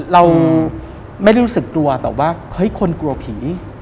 เราไม่ได้รู้สึกตัวแต่ว่าเฮ้ยคนกลัวผี